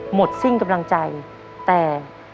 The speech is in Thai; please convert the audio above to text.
หมดสิ้นกำลังใจแต่